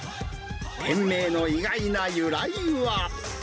店名の意外な由来は。